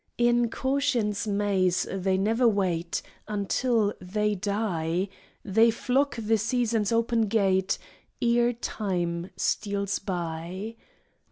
In caution's maze they never wait Until they die; They flock the season's open gate Ere time steals by.